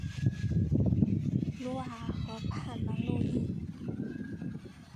卢瓦尔河畔蒙路易。